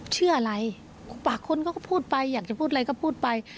เชื่ออะไรปากคนเขาก็พูดไปอยากจะพูดอะไรก็พูดไป